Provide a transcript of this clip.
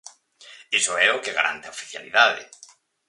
Iso é o que garante a oficialidade.